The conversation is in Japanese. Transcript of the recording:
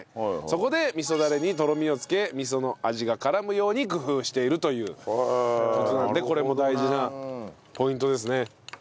そこで味噌ダレにとろみをつけ味噌の味が絡むように工夫しているという事なのでこれも大事なポイントですね。